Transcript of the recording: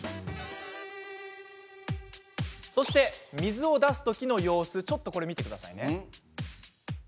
そして、水を出す時の様子ちょっとこれ見てください。